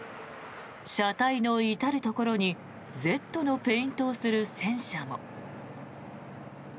車体の至るところに「Ｚ」のペイントをする戦車も。